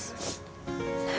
harus berubah bu